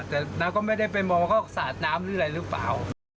แต่นางก็ไม่ได้ไปมองว่าเขาสาดน้ำหรืออะไรหรือเปล่า